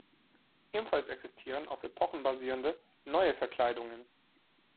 Ebenfalls existieren auf Epochen basierende, neue Verkleidungen.